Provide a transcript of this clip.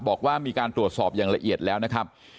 บอกว่ามีการตรวจสอบอย่างละเอียดแล้วนะครับ